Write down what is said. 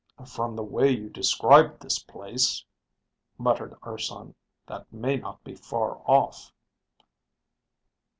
"From the way you describe this place," muttered Urson, "that may not be far off."